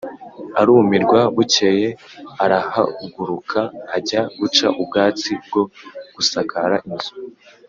arumirwa. bukeye arahagurukaajya guca ubwatsi bwo gusakara inzu.